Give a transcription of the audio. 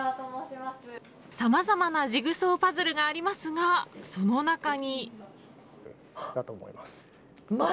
さまざまなジグソーパズルがありますがその中に。